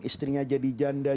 istrinya jadi janda